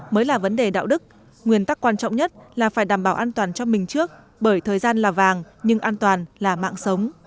mới là vấn đề đạo đức nguyên tắc quan trọng nhất là phải đảm bảo an toàn cho mình trước bởi thời gian là vàng nhưng an toàn là mạng sống